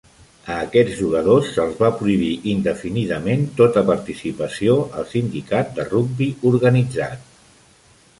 A aquests jugadors se'ls va prohibir indefinidament tota participació al sindicat de rugbi organitzat.